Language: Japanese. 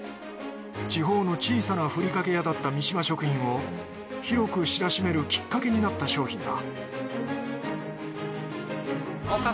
地方の小さなふりかけ屋だった三島食品を広く知らしめるきっかけになった商品だ